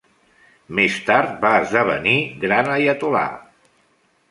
Més tard va esdevenir Gran Aiatol·là.